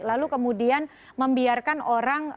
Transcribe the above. lalu kemudian membiarkan orang